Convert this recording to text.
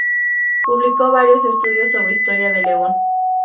Publicó varios estudios sobre historia de León.